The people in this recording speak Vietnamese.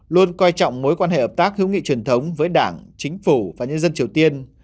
luôn coi trọng mối quan hệ hợp tác hữu nghị truyền thống với đảng chính phủ và nhân dân triều tiên